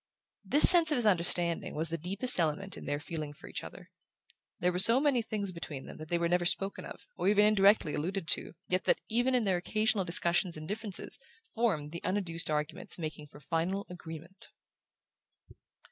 This sense of his understanding was the deepest element in their feeling for each other. There were so many things between them that were never spoken of, or even indirectly alluded to, yet that, even in their occasional discussions and differences, formed the unadduced arguments making for final agreement...